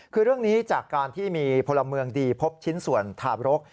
คือเรื่องนี้จากการที่มีพลเมืองดีพบชิ้นส่วนทาบรก